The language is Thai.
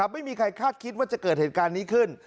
ไม่มีใครคาดคิดว่าจะเกิดเหตุการณ์นี้ขึ้น